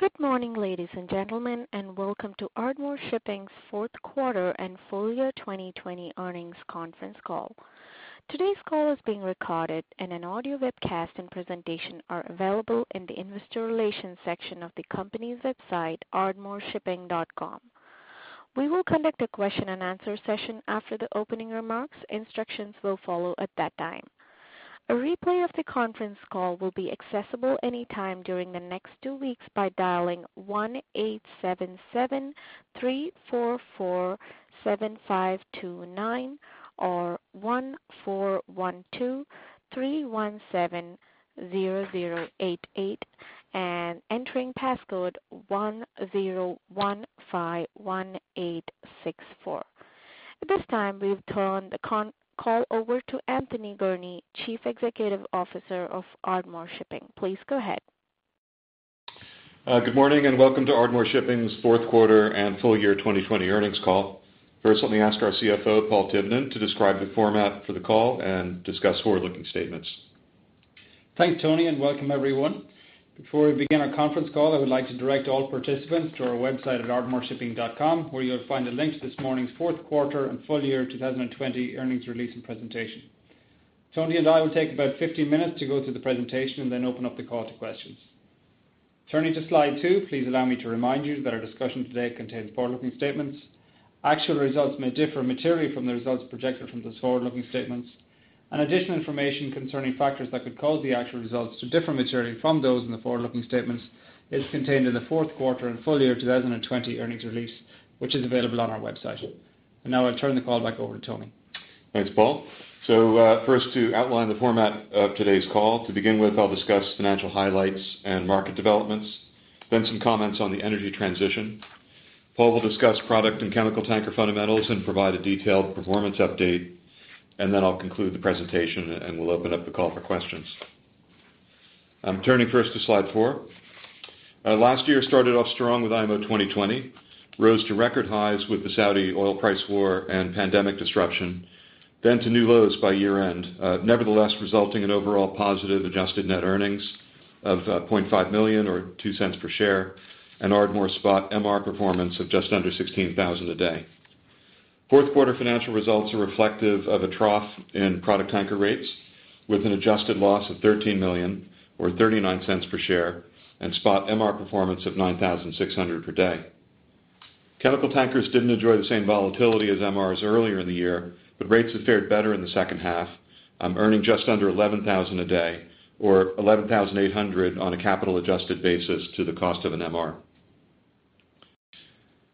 Good morning, ladies and gentlemen, and welcome to Ardmore Shipping's fourth quarter and full year 2020 earnings conference call. Today's call is being recorded, and an audio webcast and presentation are available in the investor relations section of the company's website, ardmoreshipping.com. We will conduct a question-and-answer session after the opening remarks. Instructions will follow at that time. A replay of the conference call will be accessible anytime during the next two weeks by dialing 1-877-344-7529 or 1-412-317-0088, and entering passcode 10151864. At this time, we've turned the call over to Anthony Gurnee, Chief Executive Officer of Ardmore Shipping. Please go ahead. Good morning and welcome to Ardmore Shipping's fourth quarter and full year 2020 earnings call. First, let me ask our CFO, Paul Tivnan, to describe the format for the call and discuss forward-looking statements. Thanks, Tony, and welcome everyone. Before we begin our conference call, I would like to direct all participants to our website at ardmoreshipping.com, where you'll find a link to this morning's fourth quarter and full year 2020 earnings release and presentation. Tony and I will take about 15 minutes to go through the presentation and then open up the call to questions. Turning to slide 2, please allow me to remind you that our discussion today contains forward-looking statements. Actual results may differ materially from the results projected from those forward-looking statements. Additional information concerning factors that could cause the actual results to differ materially from those in the forward-looking statements is contained in the fourth quarter and full year 2020 earnings release, which is available on our website. Now I'll turn the call back over to Tony. Thanks, Paul. So first, to outline the format of today's call, to begin with, I'll discuss financial highlights and market developments, then some comments on the energy transition. Paul will discuss product and chemical tanker fundamentals and provide a detailed performance update, and then I'll conclude the presentation and we'll open up the call for questions. Turning first to slide 4. Last year started off strong with IMO 2020, rose to record highs with the Saudi oil price war and pandemic disruption, then to new lows by year-end, nevertheless resulting in overall positive adjusted net earnings of $0.5 million or $0.02 per share, and Ardmore spot MR performance of just under 16,000 a day. Fourth quarter financial results are reflective of a trough in product tanker rates with an adjusted loss of $13 million or $0.39 per share, and spot MR performance of 9,600 per day. Chemical tankers didn't enjoy the same volatility as MRs earlier in the year, but rates have fared better in the second half, earning just under $11,000 a day or $11,800 on a capital-adjusted basis to the cost of an MR.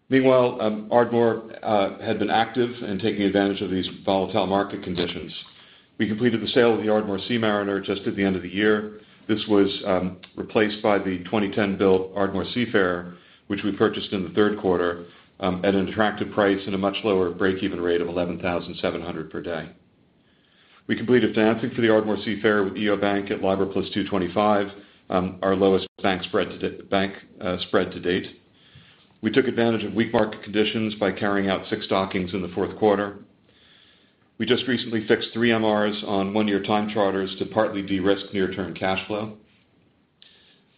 Meanwhile, Ardmore had been active in taking advantage of these volatile market conditions. We completed the sale of the Ardmore Seamariner just at the end of the year. This was replaced by the 2010-built Ardmore Seafarer, which we purchased in the third quarter at an attractive price and a much lower break-even rate of $11,700 per day. We completed financing for the Ardmore Seafarer with Iyo Bank at LIBOR + 225, our lowest bank spread to date. We took advantage of weak market conditions by carrying out 6 dockings in the fourth quarter. We just recently fixed 3 MRs on one-year time charters to partly de-risk near-term cash flow.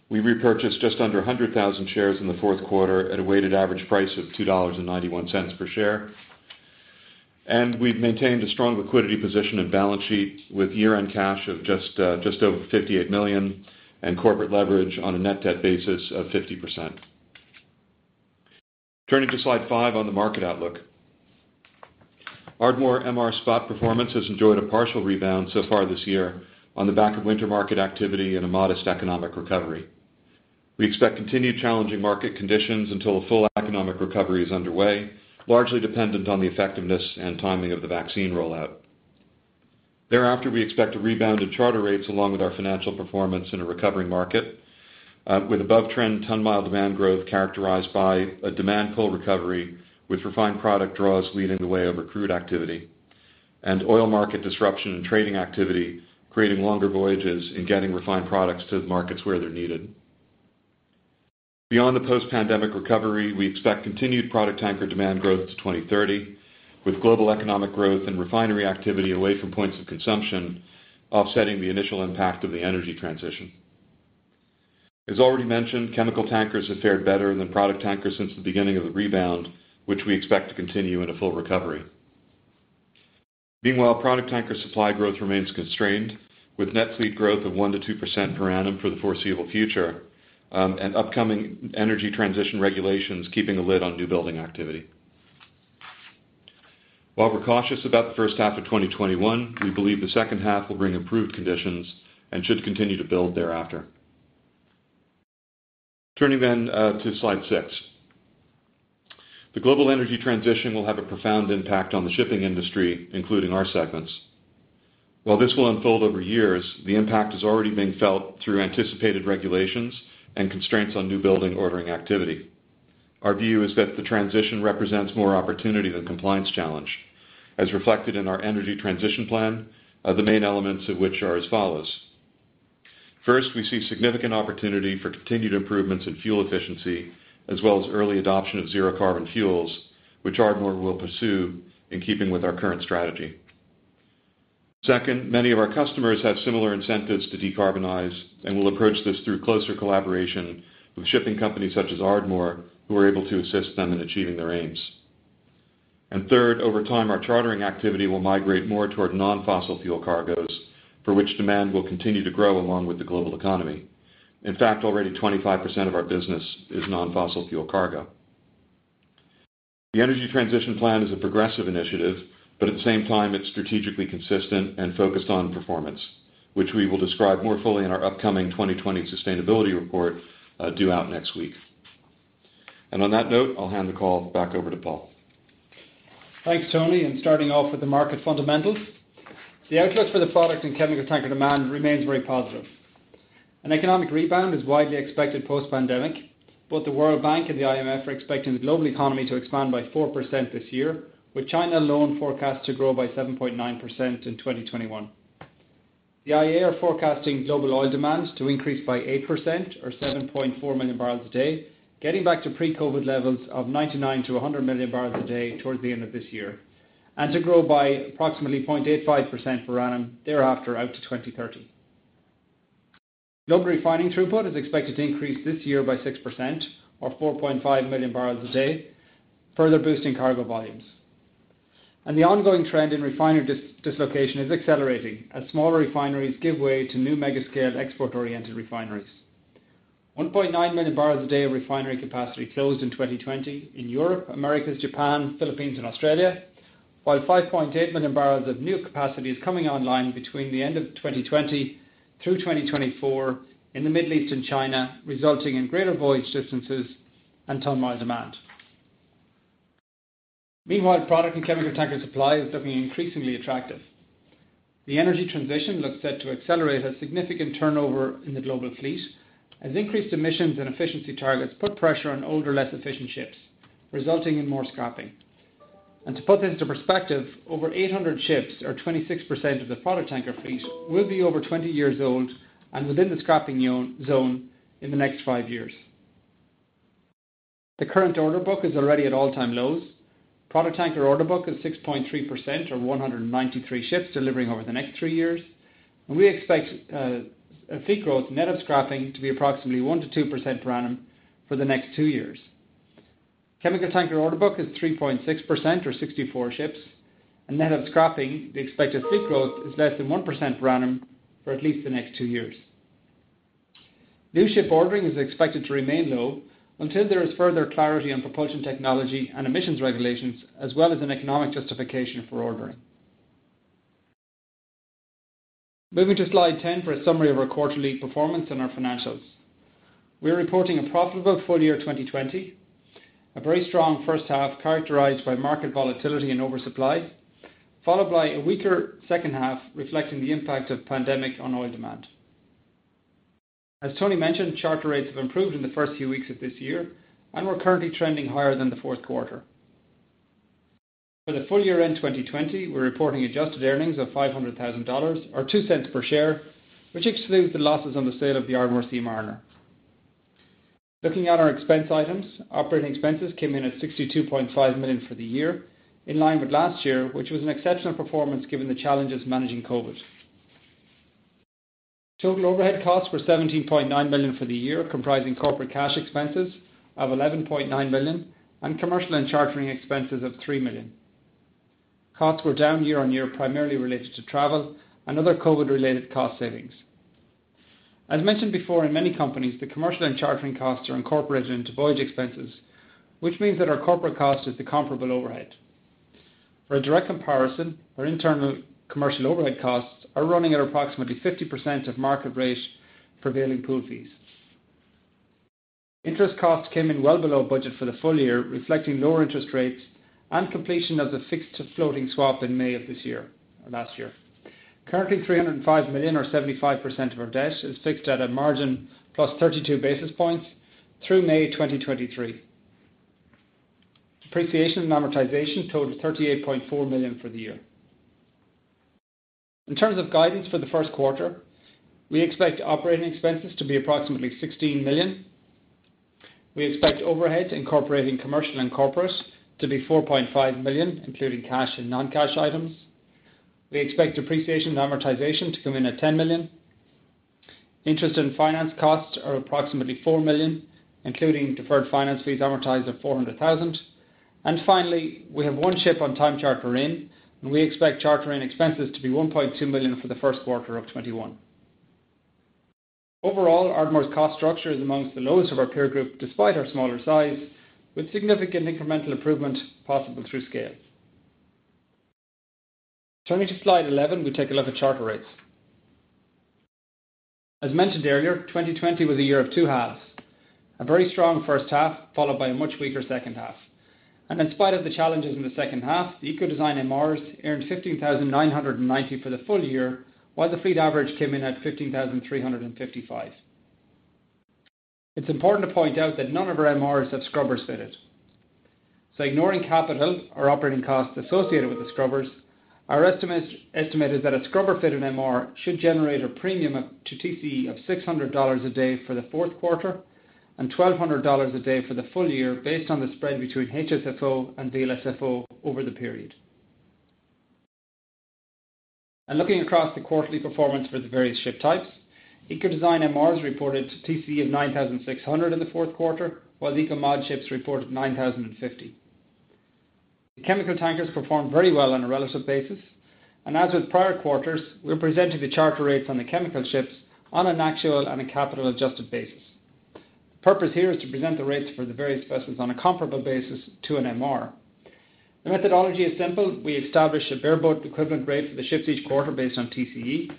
We repurchased just under 100,000 shares in the fourth quarter at a weighted average price of $2.91 per share. We've maintained a strong liquidity position in balance sheet with year-end cash of just over $58 million and corporate leverage on a net debt basis of 50%. Turning to slide 5 on the market outlook. Ardmore MR spot performance has enjoyed a partial rebound so far this year on the back of winter market activity and a modest economic recovery. We expect continued challenging market conditions until a full economic recovery is underway, largely dependent on the effectiveness and timing of the vaccine rollout. Thereafter, we expect a rebound in charter rates along with our financial performance in a recovering market with above-trend ton-mile demand growth characterized by a demand pull recovery with refined product draws leading the way over crude activity and oil market disruption and trading activity creating longer voyages in getting refined products to the markets where they're needed. Beyond the post-pandemic recovery, we expect continued product tanker demand growth to 2030 with global economic growth and refinery activity away from points of consumption offsetting the initial impact of the energy transition. As already mentioned, chemical tankers have fared better than product tankers since the beginning of the rebound, which we expect to continue in a full recovery. Meanwhile, product tanker supply growth remains constrained with net fleet growth of 1%-2% per annum for the foreseeable future and upcoming energy transition regulations keeping a lid on new building activity. While we're cautious about the first half of 2021, we believe the second half will bring improved conditions and should continue to build thereafter. Turning then to slide six. The global energy transition will have a profound impact on the shipping industry, including our segments. While this will unfold over years, the impact is already being felt through anticipated regulations and constraints on new building ordering activity. Our view is that the transition represents more opportunity than compliance challenge, as reflected in our energy transition plan, the main elements of which are as follows. First, we see significant opportunity for continued improvements in fuel efficiency as well as early adoption of zero-carbon fuels, which Ardmore will pursue in keeping with our current strategy. Second, many of our customers have similar incentives to decarbonize and will approach this through closer collaboration with shipping companies such as Ardmore, who are able to assist them in achieving their aims. And third, over time, our chartering activity will migrate more toward non-fossil fuel cargoes, for which demand will continue to grow along with the global economy. In fact, already 25% of our business is non-fossil fuel cargo. The energy transition plan is a progressive initiative, but at the same time, it's strategically consistent and focused on performance, which we will describe more fully in our upcoming 2020 sustainability report due out next week. And on that note, I'll hand the call back over to Paul. Thanks, Tony. Starting off with the market fundamentals, the outlook for the product and chemical tanker demand remains very positive. An economic rebound is widely expected post-pandemic. Both The World Bank and the IMF are expecting the global economy to expand by 4% this year, with China alone forecast to grow by 7.9% in 2021. The IEA are forecasting global oil demand to increase by 8% or 7.4 million barrels a day, getting back to pre-COVID levels of 99-100 million barrels a day towards the end of this year, and to grow by approximately 0.85% per annum thereafter out to 2030. Global refining throughput is expected to increase this year by 6% or 4.5 million barrels a day, further boosting cargo volumes. The ongoing trend in refinery dislocation is accelerating as smaller refineries give way to new mega-scale export-oriented refineries. 1.9 million barrels a day of refinery capacity closed in 2020 in Europe, Americas, Japan, Philippines, and Australia, while 5.8 million barrels of new capacity is coming online between the end of 2020 through 2024 in the Middle East and China, resulting in greater voyage distances and ton-mile demand. Meanwhile, product and chemical tanker supply is looking increasingly attractive. The energy transition looks set to accelerate a significant turnover in the global fleet as increased emissions and efficiency targets put pressure on older, less efficient ships, resulting in more scrapping. And to put this into perspective, over 800 ships, or 26% of the product tanker fleet, will be over 20 years old and within the scrapping zone in the next 5 years. The current order book is already at all-time lows. Product tanker order book is 6.3% or 193 ships delivering over the next 3 years. We expect a fleet growth net of scrapping to be approximately 1%-2% per annum for the next two years. Chemical tanker order book is 3.6% or 64 ships. Net of scrapping, the expected fleet growth is less than 1% per annum for at least the next two years. New ship ordering is expected to remain low until there is further clarity on propulsion technology and emissions regulations, as well as an economic justification for ordering. Moving to slide 10 for a summary of our quarterly performance and our financials. We're reporting a profitable full year 2020, a very strong first half characterized by market volatility and oversupply, followed by a weaker second half reflecting the impact of pandemic on oil demand. As Tony mentioned, charter rates have improved in the first few weeks of this year, and we're currently trending higher than the fourth quarter. For the full year end 2020, we're reporting adjusted earnings of $500,000 or $0.02 per share, which excludes the losses on the sale of the Ardmore Seamariner. Looking at our expense items, operating expenses came in at $62.5 million for the year, in line with last year, which was an exceptional performance given the challenges managing COVID. Total overhead costs were $17.9 million for the year, comprising corporate cash expenses of $11.9 million and commercial and chartering expenses of $3 million. Costs were down year-on-year, primarily related to travel and other COVID-related cost savings. As mentioned before, in many companies, the commercial and chartering costs are incorporated into voyage expenses, which means that our corporate cost is the comparable overhead. For a direct comparison, our internal commercial overhead costs are running at approximately 50% of market rate prevailing pool fees. Interest costs came in well below budget for the full year, reflecting lower interest rates and completion of the fixed-to-floating swap in May of this year or last year. Currently, $305 million or 75% of our debt is fixed at a margin plus 32 basis points through May 2023. Depreciation and amortization totaled $38.4 million for the year. In terms of guidance for the first quarter, we expect operating expenses to be approximately $16 million. We expect overhead incorporating commercial and corporate to be $4.5 million, including cash and non-cash items. We expect depreciation and amortization to come in at $10 million. Interest and finance costs are approximately $4 million, including deferred finance fees amortized at $400,000. And finally, we have one ship on time charter-in, and we expect chartering expenses to be $1.2 million for the first quarter of 2021. Overall, Ardmore's cost structure is among the lowest of our peer group despite our smaller size, with significant incremental improvement possible through scale. Turning to slide 11, we take a look at charter rates. As mentioned earlier, 2020 was a year of two halves, a very strong first half followed by a much weaker second half. In spite of the challenges in the second half, the eco-design MRs earned 15,990 for the full year, while the fleet average came in at 15,355. It's important to point out that none of our MRs have scrubber-fitted. So ignoring capital or operating costs associated with the scrubbers, our estimate is that a scrubber-fitted MR should generate a premium to TCE of $600 a day for the fourth quarter and $1,200 a day for the full year based on the spread between HSFO and VLSFO over the period. Looking across the quarterly performance for the various ship types, Eco-design MRs reported TCE of $9,600 in the fourth quarter, while the Eco-mod ships reported $9,050. The chemical tankers performed very well on a relative basis. And as with prior quarters, we're presenting the charter rates on the chemical ships on an actual and a capital-adjusted basis. The purpose here is to present the rates for the various segments on a comparable basis to an MR. The methodology is simple. We establish a bareboat equivalent rate for the ships each quarter based on TCE.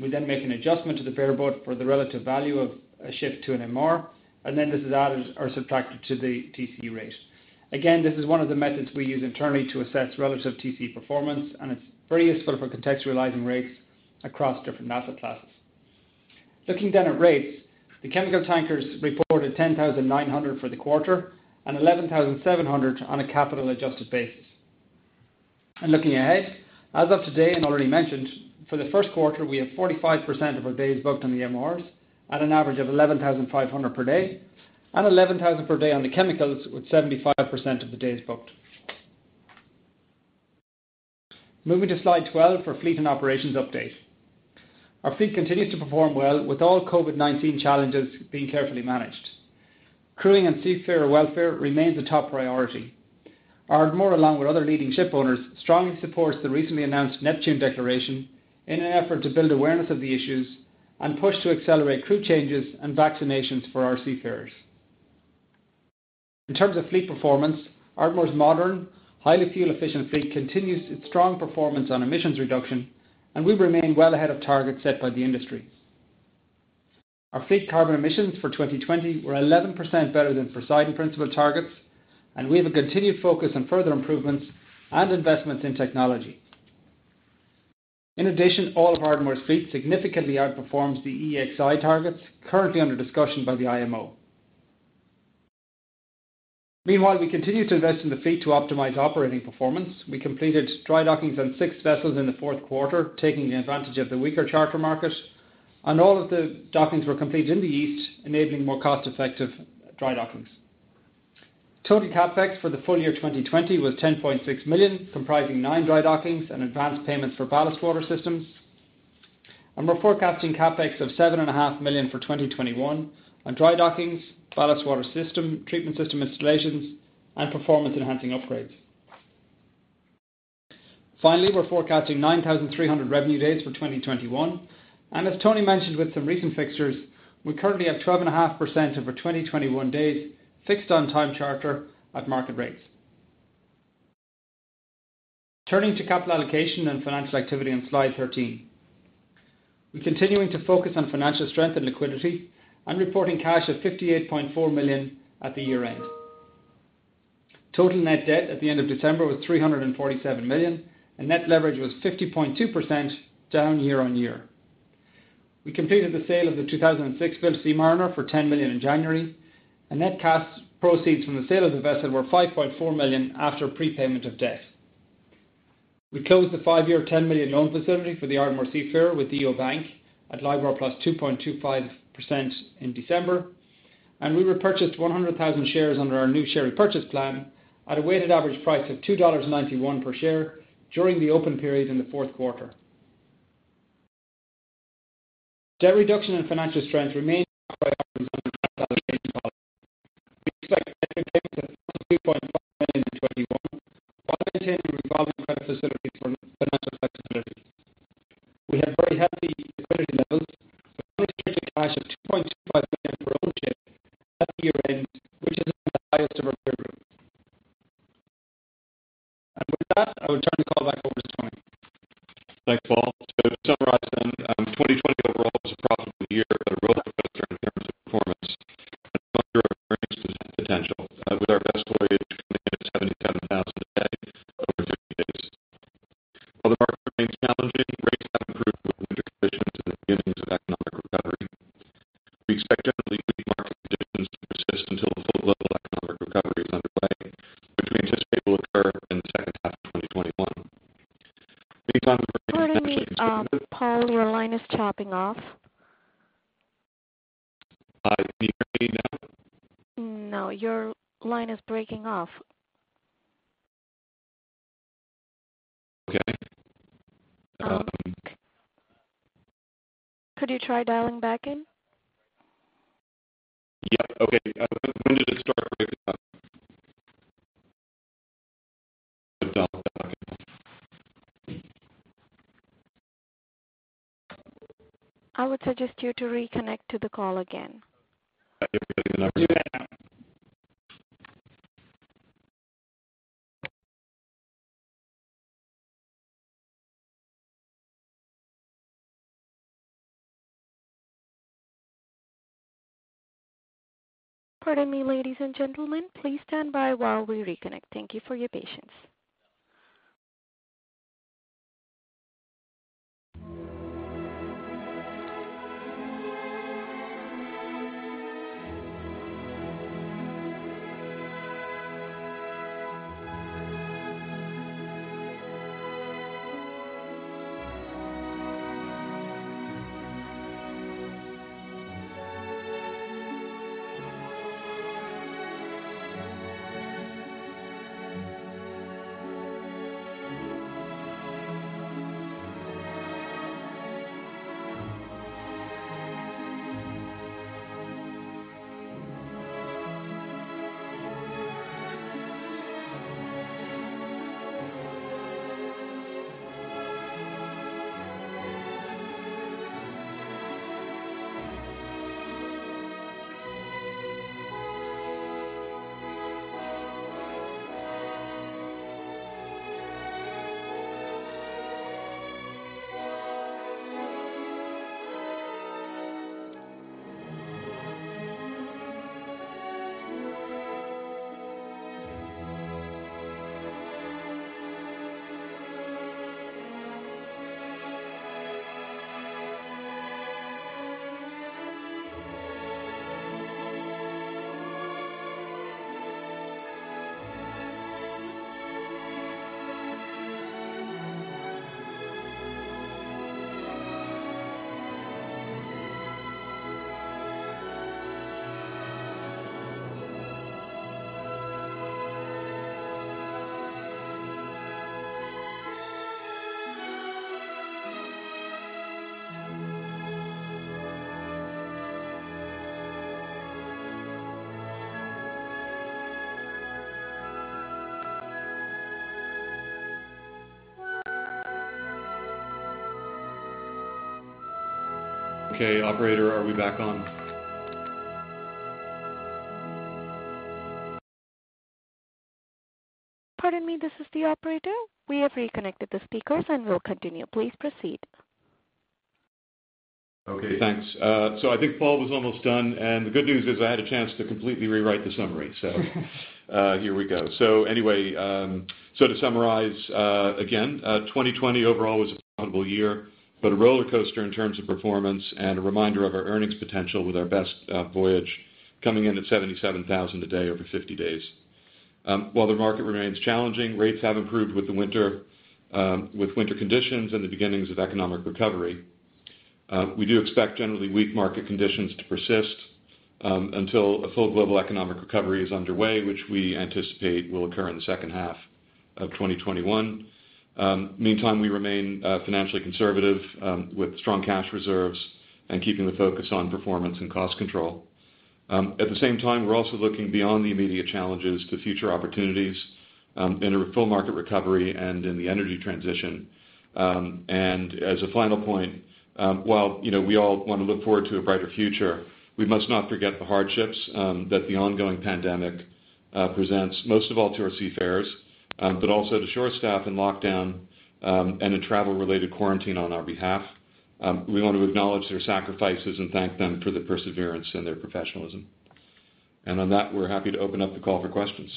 We then make an adjustment to the bareboat for the relative value of a ship to an MR. And then this is added or subtracted to the TCE rate. Again, this is one of the methods we use internally to assess relative TCE performance. And it's very useful for contextualizing rates across different asset classes. Looking then at rates, the chemical tankers reported $10,900 for the quarter and $11,700 on a capital-adjusted basis. And looking ahead, as of today and already mentioned, for the first quarter, we have 45% of our days booked on the MRs, at an average of $11,500 per day, and $11,000 per day on the chemicals with 75% of the days booked. Moving to slide 12 for fleet and operations update. Our fleet continues to perform well with all COVID-19 challenges being carefully managed. Crewing and seafarer welfare remains a top priority. Ardmore, along with other leading shipowners, strongly supports the recently announced Neptune Declaration in an effort to build awareness of the issues and push to accelerate crew changes and vaccinations for our seafarers. In terms of fleet performance, Ardmore's modern, highly fuel-efficient fleet continues its strong performance on emissions reduction, and we remain well ahead of targets set by the industry. Our fleet carbon emissions for 2020 were 11% better than Poseidon Principles targets, and we have a continued focus on further improvements and investments in technology. In addition, all of Ardmore's fleet significantly outperforms the EEXI targets currently under discussion by the IMO. Meanwhile, we continue to invest in the fleet to optimize operating performance. We completed dry dockings on six vessels in the fourth quarter, taking advantage of the weaker charter market. All of the dockings were completed in the East, enabling more cost-effective dry dockings. Total CapEx for the full year 2020 was $10.6 million, comprising nine dry dockings and advanced payments for ballast water systems. We're forecasting CapEx of $7.5 million for 2021 on dry dockings, ballast water system, treatment system installations, and performance-enhancing upgrades. Finally, we're forecasting 9,300 revenue days for 2021. And as Tony mentioned, with some recent fixtures, we currently have 12.5% of our 2021 days fixed on time charter at market rates. Turning to capital allocation and financial activity on slide 13. We're continuing to focus on financial strength and liquidity and reporting cash of $58.4 million at the year-end. Total net debt at the end of December was $347 million, and net leverage was 50.2% down year-over-year. We completed the sale of the 2006-built Seamariner for $10 million in January. And net cash proceeds from the sale of the vessel were $5.4 million after prepayment of debt. We closed the five-year $10 million loan facility for the Ardmore Seamariner with Iyo Bank at LIBOR plus 2.25% 2021. Meantime, we're making financially conservative. Paul, your line is chopping off. Hi. Can you hear me now? No. Your line is breaking off. Okay. Could you try dialing back in? Yep. Okay. When did it start breaking up? I would suggest you reconnect to the call again. If you're getting the number. You bet. Pardon me, ladies and gentlemen. Please stand by while we reconnect. Thank you for your patience. Okay. Operator, are we back on? Pardon me. This is the operator. We have reconnected the speakers, and we'll continue. Please proceed. Okay. Thanks. So I think Paul was almost done. And the good news is I had a chance to completely rewrite the summary. So here we go. So anyway, so to summarize again, 2020 overall was a profitable year but a rollercoaster in terms of performance and a reminder of our earnings potential with our best voyage coming in at $77,000 a day over 50 days. While the market remains challenging, rates have improved with the winter conditions and the beginnings of economic recovery. We do expect generally weak market conditions to persist until a full global economic recovery is underway, which we anticipate will occur in the second half of 2021. Meantime, we remain financially conservative with strong cash reserves and keeping the focus on performance and cost control. At the same time, we're also looking beyond the immediate challenges to future opportunities in a full market recovery and in the energy transition. As a final point, while we all want to look forward to a brighter future, we must not forget the hardships that the ongoing pandemic presents, most of all to our seafarers but also to shore staff in lockdown and a travel-related quarantine on our behalf. We want to acknowledge their sacrifices and thank them for the perseverance and their professionalism. On that, we're happy to open up the call for questions.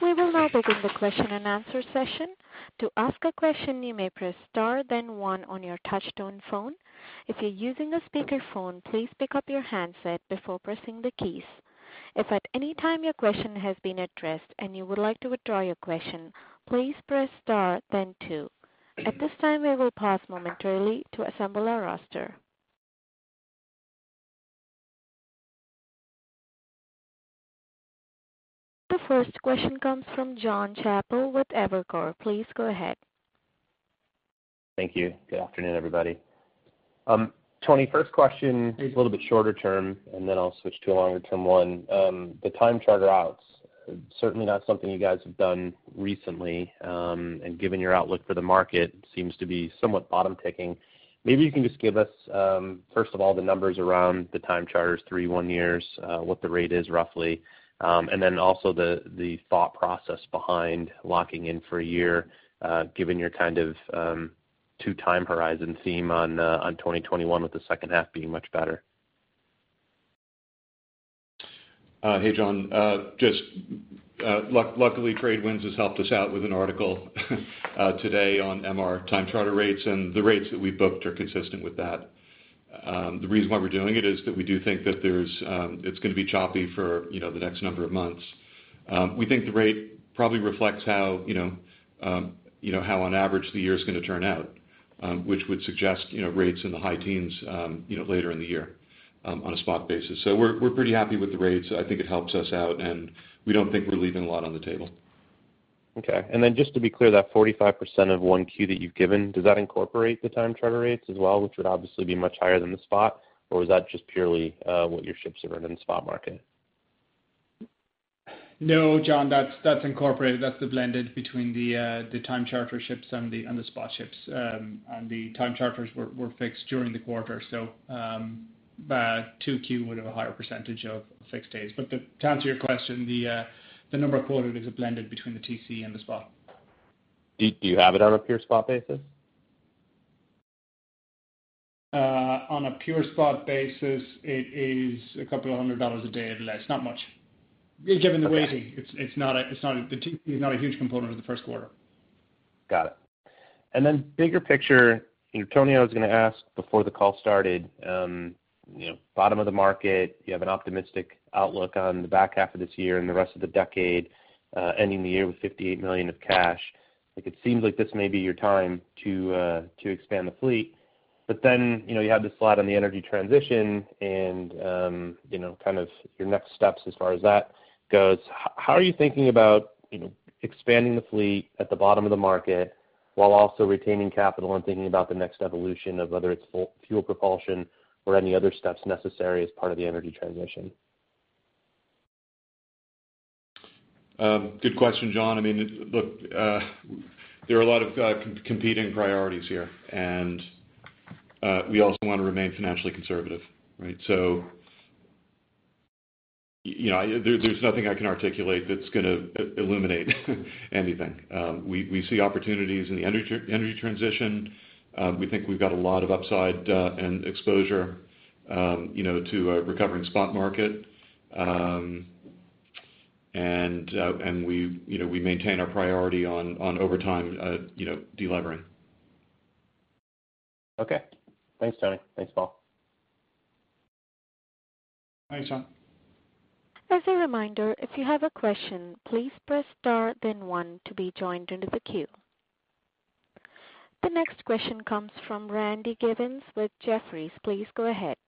We will now begin the question-and-answer session. To ask a question, you may press star, then one on your touch-tone phone. If you're using a speakerphone, please pick up your handset before pressing the keys. If at any time your question has been addressed and you would like to withdraw your question, please press star, then two. At this time, we will pause momentarily to assemble our roster. The first question comes from Jon Chappell with Evercore. Please go ahead. Thank you. Good afternoon, everybody. Tony, first question, a little bit shorter term, and then I'll switch to a longer-term one. The time charter outs, certainly not something you guys have done recently. And given your outlook for the market, it seems to be somewhat bottoming out. Maybe you can just give us, first of all, the numbers around the time charters, 3- and 1-year, what the rate is roughly. And then also the thought process behind locking in for a year, given your kind of two-year horizon theme on 2021 with the second half being much better. Hey, Jon. Luckily, TradeWinds has helped us out with an article today on MR time charter rates. The rates that we booked are consistent with that. The reason why we're doing it is that we do think that it's going to be choppy for the next number of months. We think the rate probably reflects how, on average, the year is going to turn out, which would suggest rates in the high teens later in the year on a spot basis. We're pretty happy with the rates. I think it helps us out. We don't think we're leaving a lot on the table. Okay. And then just to be clear, that 45% of 1Q that you've given, does that incorporate the time charter rates as well, which would obviously be much higher than the spot? Or is that just purely what your ships are earning in the spot market? No, John. That's incorporated. That's the blended between the time charter ships and the spot ships. The time charters were fixed during the quarter. So 2Q would have a higher percentage of fixed days. But to answer your question, the number quoted is a blended between the TCE and the spot. Do you have it on a pure spot basis? On a pure spot basis, it is a couple of 100 dollars a day at least. Not much, given the weighting. The TCE is not a huge component of the first quarter. Got it. Then bigger picture, Tony, I was going to ask before the call started, bottom of the market, you have an optimistic outlook on the back half of this year and the rest of the decade, ending the year with $58 million of cash. It seems like this may be your time to expand the fleet. But then you have this slide on the energy transition and kind of your next steps as far as that goes. How are you thinking about expanding the fleet at the bottom of the market while also retaining capital and thinking about the next evolution of whether it's fuel propulsion or any other steps necessary as part of the energy transition? Good question, John. I mean, look, there are a lot of competing priorities here. And we also want to remain financially conservative, right? So there's nothing I can articulate that's going to illuminate anything. We see opportunities in the energy transition. We think we've got a lot of upside and exposure to a recovering spot market. And we maintain our priority on overtime delivering. Okay. Thanks, Tony. Thanks, Paul. Thanks, John. As a reminder, if you have a question, please press star, then one to be joined into the queue. The next question comes from Randy Giveans with Jefferies. Please go ahead.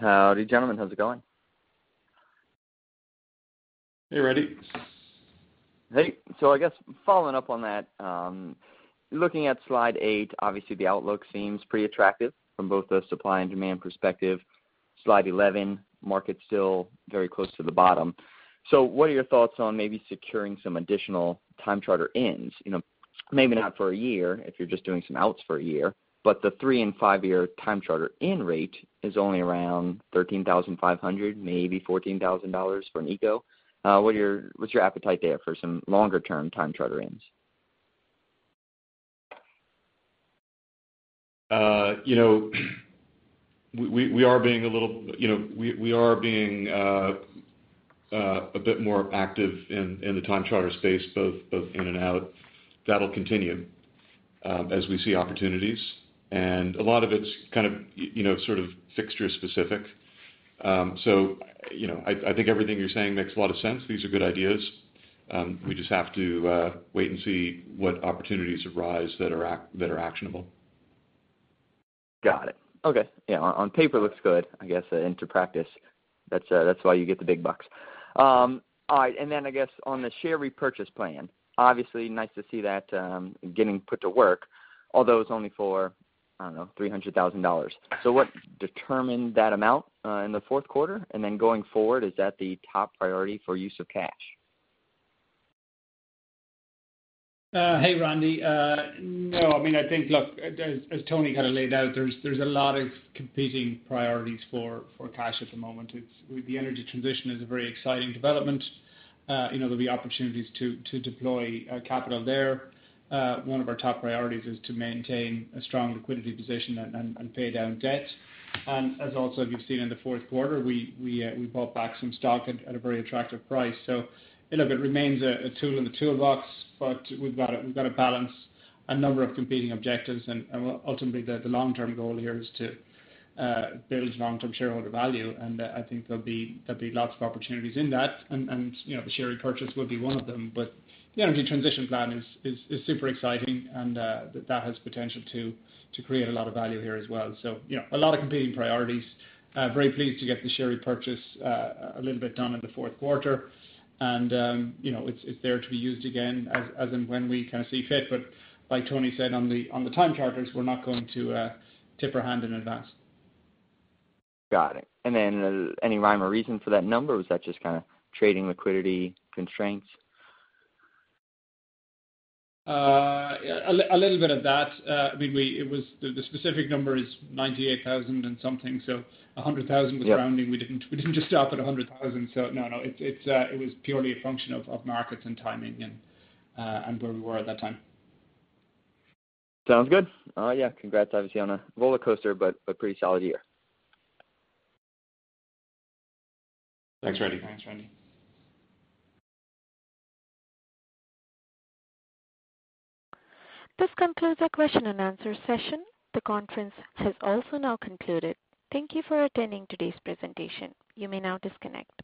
Howdy, gentlemen. How's it going? Hey, Randy. Hey. So I guess following up on that, looking at slide 8, obviously, the outlook seems pretty attractive from both a supply and demand perspective. Slide 11, market still very close to the bottom. So what are your thoughts on maybe securing some additional time charter-ins? Maybe not for a year if you're just doing some outs for a year. But the three- and five-year time charter-in rate is only around $13,500, maybe $14,000 for an eco. What's your appetite there for some longer-term time charter-ins? We are being a bit more active in the time charter space, both in and out. That'll continue as we see opportunities. A lot of it's kind of sort of fixture-specific. I think everything you're saying makes a lot of sense. These are good ideas. We just have to wait and see what opportunities arise that are actionable. Got it. Okay. Yeah. On paper, it looks good, I guess, in practice. That's why you get the big bucks. All right. And then I guess on the share repurchase plan, obviously, nice to see that getting put to work, although it's only for, I don't know, $300,000. So, what determined that amount in the fourth quarter? And then going forward, is that the top priority for use of cash? Hey, Randy. No. I mean, I think, look, as Tony kind of laid out, there's a lot of competing priorities for cash at the moment. The energy transition is a very exciting development. There'll be opportunities to deploy capital there. One of our top priorities is to maintain a strong liquidity position and pay down debt. And as also you've seen in the fourth quarter, we bought back some stock at a very attractive price. So look, it remains a tool in the toolbox, but we've got to balance a number of competing objectives. And ultimately, the long-term goal here is to build long-term shareholder value. And I think there'll be lots of opportunities in that. And the share repurchase will be one of them. But the energy transition plan is super exciting, and that has potential to create a lot of value here as well. A lot of competing priorities. Very pleased to get the share repurchase a little bit done in the fourth quarter. It's there to be used again as and when we kind of see fit. Like Tony said, on the time charters, we're not going to tip our hand in advance. Got it. And then any rhyme or reason for that number? Was that just kind of trading liquidity constraints? A little bit of that. I mean, the specific number is 98,000 and something. So 100,000 was rounding. We didn't just stop at 100,000. So no, no. It was purely a function of markets and timing and where we were at that time. Sounds good. All right. Yeah. Congrats, obviously, on a rollercoaster but pretty solid year. Thanks, Randy. Thanks, Randy. This concludes our question-and-answer session. The conference has also now concluded. Thank you for attending today's presentation. You may now disconnect.